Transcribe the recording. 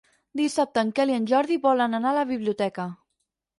Dissabte en Quel i en Jordi volen anar a la biblioteca.